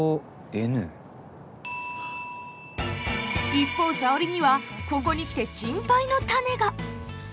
一方沙織にはここに来て心配の種が。